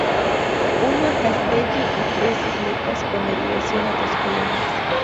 Uno a Castelli y Tres Isletas, con derivación a dos colonias.